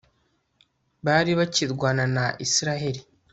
bari bakirwana na israheli